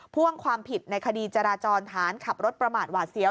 พ่วงความผิดในคดีจราจรฐานขับรถประมาทหวาดเสียว